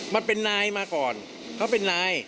มันเป็นนายมาก่อนเขาเป็นนาย